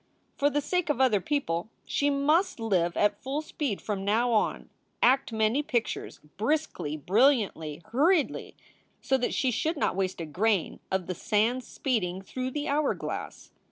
For the sake of other people she must live at full speed from now on, act many pictures, briskly, brilliantly, hurriedly, so that she should not waste a grain of the sand speeding tlirough the hour glass.